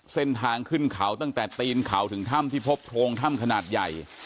เส้นทางขึ้นเขาตั้งแต่ตีนเขาถึงถ้ำที่พบโพรงถ้ำขนาดใหญ่